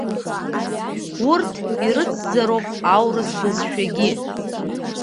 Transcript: Урҭ ирыцзароуп аурыс бызшәагьы.